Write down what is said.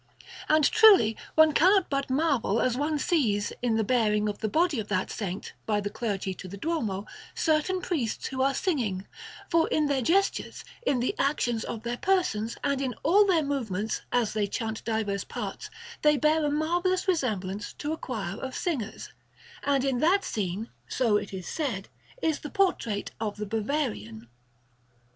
And truly one cannot but marvel as one sees, in the bearing of the body of that Saint by the clergy to the Duomo, certain priests who are singing, for in their gestures, in the actions of their persons, and in all their movements, as they chant diverse parts, they bear a marvellous resemblance to a choir of singers; and in that scene, so it is said, is the portrait of the Bavarian.